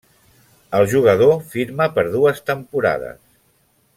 El jugador firma per dues temporades.